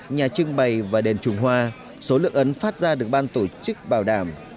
nhà trưng bày và đèn trung hoa số lượng ấn phát ra được ban tổ chức bảo đảm